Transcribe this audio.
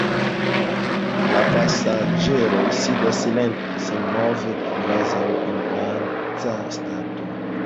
La pasaĝeroj sidas silente, senmove, kvazaŭ en tranca stato.